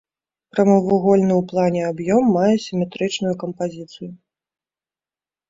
Прамавугольны ў плане аб'ём мае сіметрычную кампазіцыю.